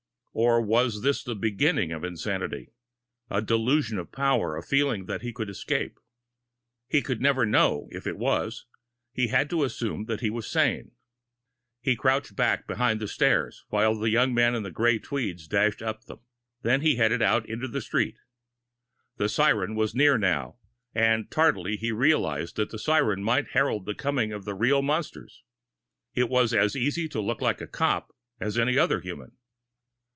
Or was this the beginning of insanity a delusion of power, a feeling that he could escape? He could never know, if it was. He had to assume that he was sane. He crouched back behind the stairs, while the young man in the gray tweeds dashed up them. Then he headed out into the street. The siren was near now and tardily, he realized that the siren might herald the coming of the real monsters. It was as easy to look like a cop as any other human!